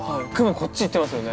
こっちに行ってますよね。